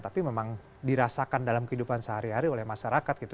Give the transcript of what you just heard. tapi memang dirasakan dalam kehidupan sehari hari oleh masyarakat gitu